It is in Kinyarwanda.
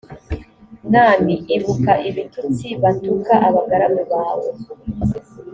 mwami ibuka ibitutsi batuka abagaragu bawe